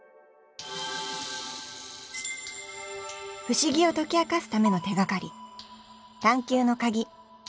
不思議を解き明かすための手がかり